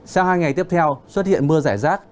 sau hai ngày tiếp theo xuất hiện mưa rải rác